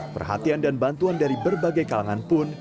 perhatian dan bantuan dari berbagai kalangan pun